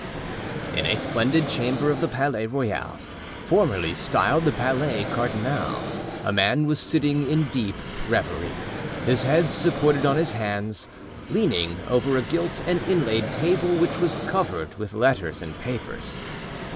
In a splendid chamber of the Palais Royal, formerly styled the Palais Cardinal, a man was sitting in deep reverie, his head supported on his hands, leaning over a gilt and inlaid table which was covered with letters and papers.